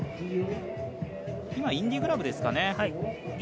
今、インディグラブですかね？